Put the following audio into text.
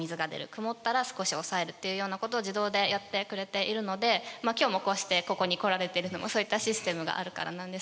曇ったら少し抑えるというようなことを自動でやってくれているので今日もこうしてここに来られてるのもそういったシステムがあるからなんですけれども。